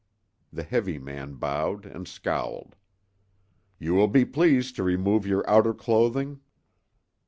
The heavy man bowed and scowled. "You will be pleased to remove your outer clothing."